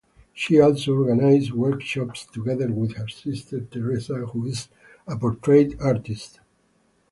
She also organized workshops together with her sister Teresa, who is a portrait artist.